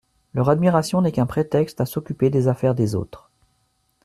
Leur admiration n’est qu’un prétexte à s’occuper des affaires des autres.